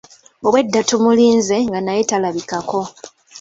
Obwedda tumulize nga naye talabikako.